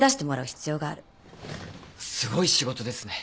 すごい仕事ですね